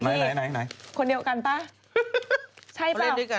นางเอกเขาเคยเล่นด้วยกัน